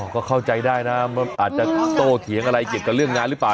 ก็เข้าใจได้นะมันอาจจะโตเถียงอะไรเกี่ยวกับเรื่องงานหรือเปล่า